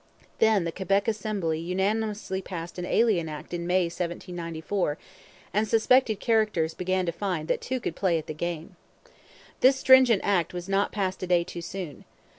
Then the Quebec Assembly unanimously passed an Alien Act in May 1794, and suspected characters began to find that two could play at the game. This stringent act was not passed a day too soon.